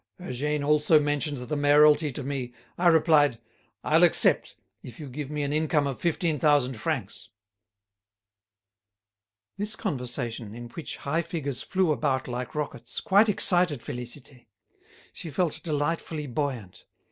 Eugène also mentioned the mayoralty to me. I replied: 'I'll accept, if you give me an income of fifteen thousand francs.'" This conversation, in which high figures flew about like rockets, quite excited Félicité. She felt delightfully buoyant.